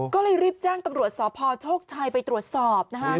ก็เลยรีบแจ้งตำรวจสอบพอโชคชายไปตรวจสอบ